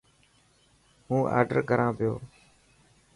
هون آڊر ڪران پيو.